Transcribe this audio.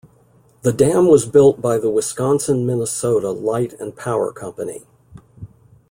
The dam was built by the Wisconsin-Minnesota Light and Power Company.